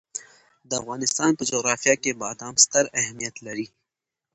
د افغانستان په جغرافیه کې بادام ستر اهمیت لري.